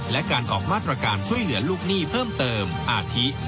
และการออกมาตรการช่วยเหลือลูกหนี้เพิ่มเติมอาทิ